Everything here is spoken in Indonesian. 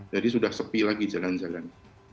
jadi sudah sepi lagi jalan jalan